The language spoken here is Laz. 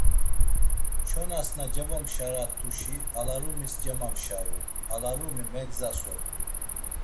Çonas na cevomşarat̆uşi alarumis cemamşaru, alarumi megzas ort̆u.